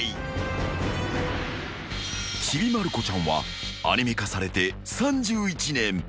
［『ちびまる子ちゃん』はアニメ化されて３１年］